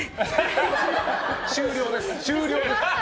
終了です。